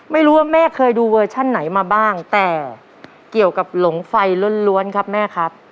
ไม่รู้ว่าแม่เคยดูเวอร์ชั่นไหนมาบ้างแต่เกี่ยวกับหลงไฟล้วนครับแม่ครับ